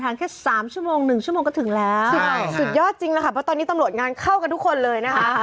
แค่สามชั่วโมงหนึ่งชั่วโมงก็ถึงแล้วสุดยอดจริงแล้วค่ะเพราะตอนนี้ตำรวจงานเข้ากันทุกคนเลยนะคะ